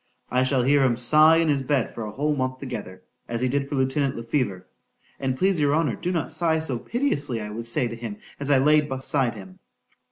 —I shall hear him sigh in his bed for a whole month together, as he did for lieutenant Le Fever. An' please your honour, do not sigh so piteously, I would say to him as I laid besides him.